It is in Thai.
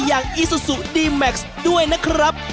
อีซูซูดีแม็กซ์ด้วยนะครับ